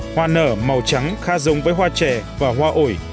hoa nở màu trắng khác giống với hoa trẻ và hoa ổi